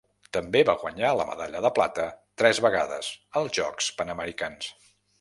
També va guanyar la medalla de plata tres vegades als Jocs Panamericans.